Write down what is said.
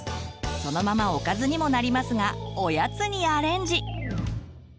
そのままおかずにもなりますがおやつにアレンジ！